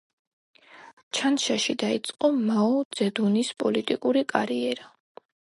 ჩანშაში დაიწყო მაო ძედუნის პოლიტიკური კარიერა.